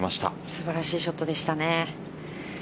素晴らしいショットでしたね。